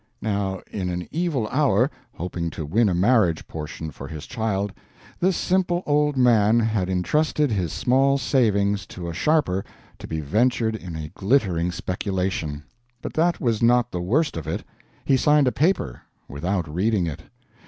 Now in an evil hour, hoping to win a marriage portion for his child, this simple old man had intrusted his small savings to a sharper to be ventured in a glittering speculation. But that was not the worst of it: he signed a paper without reading it.